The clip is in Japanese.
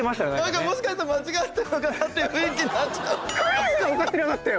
だからもしかしたら間違ってるのかなっていう雰囲気になっちゃった！